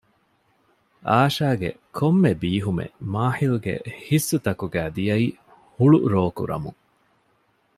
އާޝާގެ ކޮންމެ ބީހުމެއް މާޙިލްގެ ހިއްސުތަކުގައި ދިޔައީ ހުޅުރޯކުރަމުން